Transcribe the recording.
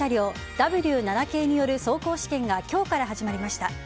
Ｗ７系による走行試験が今日から始まりました。